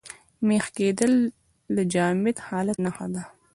مېخ کېدل د جامد حالت نخښه ده.